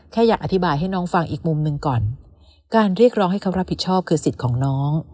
แค่อยากอธิบายให้น้องฟังอีกมุมหนึ่งก่อนการเรียกร้องให้เขารับผิดชอบคือสิทธิ์ของน้อง